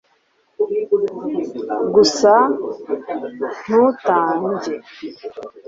gusa ntutange